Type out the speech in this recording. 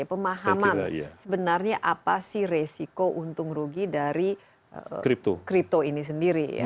pemahaman sebenarnya apa sih resiko untung rugi dari crypto ini sendiri ya